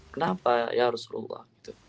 kenapa ya rasulullah